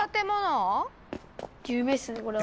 有名ですねこれは。